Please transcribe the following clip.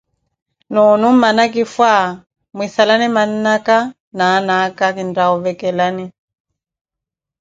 Nuuno mmanakifwa mwinsalane mannakha na annaka, kintta woovekelani.